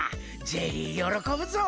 ジェリーよろこぶぞ！